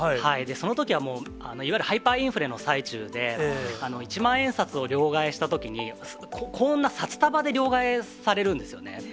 そのときはいわゆるハイパーインフレの最中で、一万円札を両替したときに、こんな札束で両替されるんですよね。